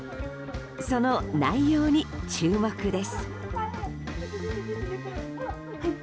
その内容に注目です。